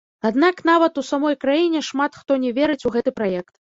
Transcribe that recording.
Аднак нават у самой краіне шмат хто не верыць у гэты праект.